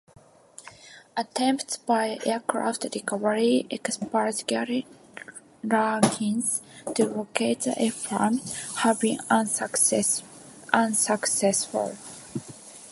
Attempts by aircraft recovery expert Gary Larkins to locate the airframe have been unsuccessful.